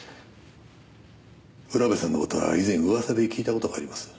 浦部さんの事は以前噂で聞いた事があります。